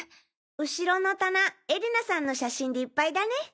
後ろの棚絵里菜さんの写真でいっぱいだね。